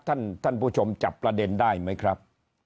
ท่านท่านผู้ชมจับประเด็นได้ไหมครับ